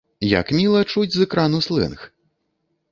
Як міла чуць з экрану слэнг!